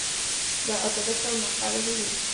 لا أتذكّر ما قاله لي.